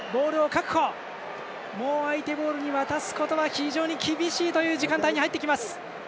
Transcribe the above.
もう相手ボールに渡すことは非常に厳しいという時間帯に入ってきます。